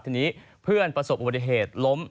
ทีนี้เพื่อนประสบอุบัติเหตุล้ม